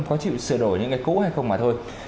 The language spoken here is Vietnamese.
có chịu sửa đổi những cái cũ hay không mà thôi